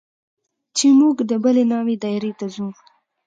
چې موږ د بلې ناوې دايرې ته ځو.